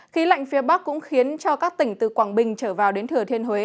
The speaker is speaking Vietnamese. khí lạnh phía bắc cũng khiến cho các tỉnh từ quảng bình trở vào đến thừa thiên huế